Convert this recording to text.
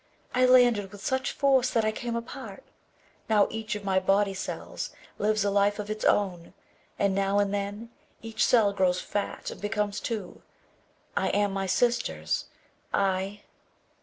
"I landed with such force that I came apart. Now each of my body cells lives a life of its own. And now and then each cell grows fat and becomes two. I am my sisters, I